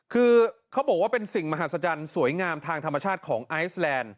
คือเขาบอกว่าเป็นสิ่งมหัศจรรย์สวยงามทางธรรมชาติของไอซแลนด์